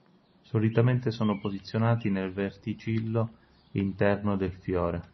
Solitamente sono posizionati nel verticillo interno del fiore.